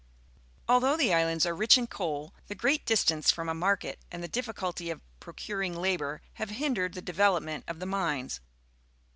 Although the islands are rich in coal, the great distance from a market and the difficul ty of procuring labour have hindered the development of the mines.